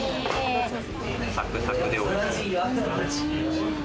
サクサクでおいしい。